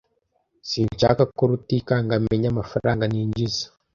S] Sinshaka ko Rutikanga amenya amafaranga ninjiza.